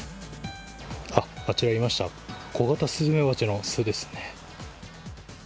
あちらにありましたコガタスズメバチの巣ですね。